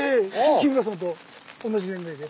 日村さんと同じ年代で。